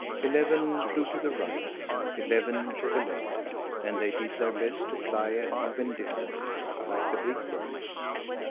Eleven flew to the right, eleven to the left; and they did their best to fly at even distances, like the big birds.